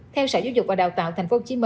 theo sở giáo dục và đào tạo tp hcm